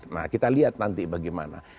nah kita lihat nanti bagaimana